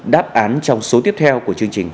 đáp án trong số tiếp theo của chương trình